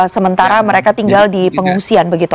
sementara mereka tinggal di pengungsian begitu